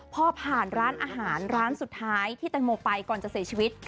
พอผ่านร้านอาหารร้านสุดท้ายที่แตงโมไปก่อนจะเสียชีวิต